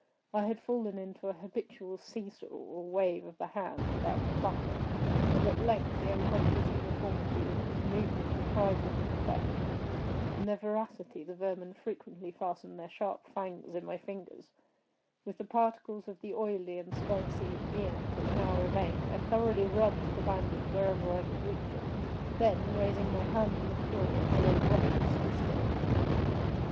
I had fallen into an habitual see saw, or wave of the hand about the platter; and, at length, the unconscious uniformity of the movement deprived it of effect. In their voracity the vermin frequently fastened their sharp fangs in my fingers. With the particles of the oily and spicy viand which now remained, I thoroughly rubbed the bandage wherever I could reach it; then, raising my hand from the floor, I lay breathlessly still.